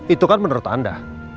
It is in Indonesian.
itu kan menurut anda